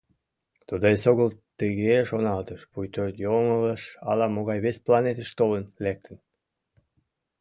Тудо эсогыл тыге шоналтыш, пуйто йоҥылыш ала-могай вес планетыш толын лектын.